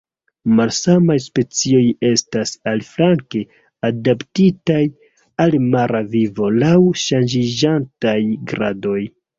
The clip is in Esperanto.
Malsamaj specioj estas, aliflanke, adaptitaj al mara vivo laŭ ŝanĝiĝantaj gradoj.